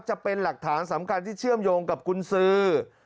จะเป็นหลักฐานสำคัญที่เชื่อมโยงกับกุญสือ